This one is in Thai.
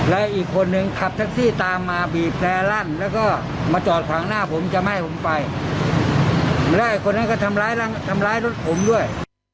และอีกคนนั้นก็ทำร้ายรถของด้วย